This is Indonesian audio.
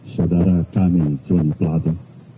saudara kami johnny platte